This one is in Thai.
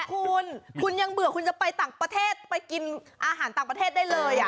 คุณคุณยังเบื่อคุณจะไปต่างประเทศไปกินอาหารต่างประเทศได้เลย